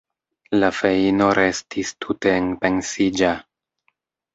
La feino restis tute enpensiĝa.